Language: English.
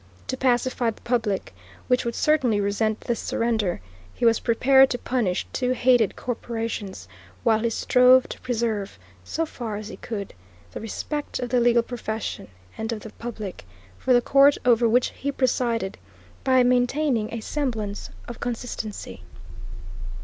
To pacify the public, which would certainly resent this surrender, he was prepared to punish two hated corporations, while he strove to preserve, so far as he could, the respect of the legal profession and of the public, for the court over which he presided, by maintaining a semblance of consistency.